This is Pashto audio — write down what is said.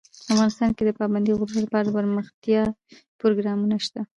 افغانستان کې د پابندي غرونو لپاره دپرمختیا پروګرامونه شته.